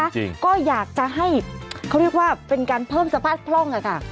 จริงก็อยากจะให้เขาเรียกว่าเป็นการเพิ่มสภาพพร่องอ่ะค่ะ